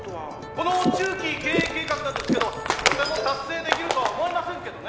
「この中期経営計画なんですけどとても達成できるとは思えませんけどね」